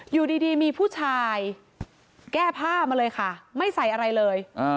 อยู่ดีมีผู้ชายแก้ผ้ามาเลยค่ะไม่ใส่อะไรเลย